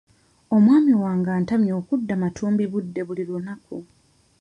Omwami wange antamye kudda matumbi budde buli lunaku.